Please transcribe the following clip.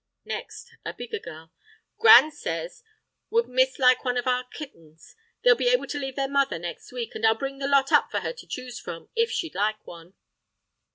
Next a bigger girl: "Gran says would miss like one of our kittens? They'll be able to leave their mother next week, and I'll bring the lot up for her to choose from, if she'd like one."